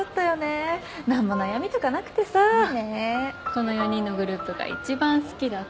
この４人のグループが一番好きだった。